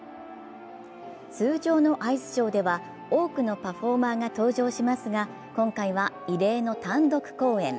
通常のアイスショーでは多くのパフォーマーが登場しますが今回は異例の単独公演。